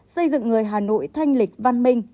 xây dựng người hà nội thanh lịch văn minh